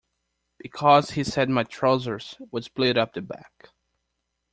Because he said my trousers would split up the back.